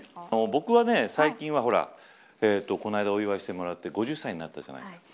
僕は最近はこの間お祝いしてもらって５０歳になったじゃないですか。